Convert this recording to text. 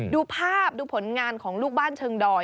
ดูภาพดูผลงานของลูกบ้านเชิงดอย